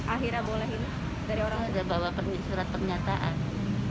sudah bawa surat pernyataan